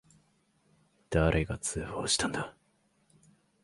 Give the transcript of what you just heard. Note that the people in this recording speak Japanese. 誰が通報したんだ。